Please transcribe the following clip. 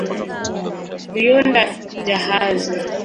Lyunda jahazi